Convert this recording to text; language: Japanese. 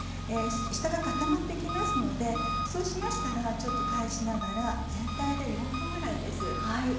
下が固まって来ますのでそうしましたら返しながら全体で４分ぐらいです。